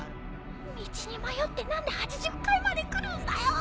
道に迷って何で８０階まで来るんだよ。